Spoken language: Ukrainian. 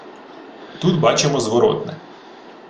Тут бачимо зворотне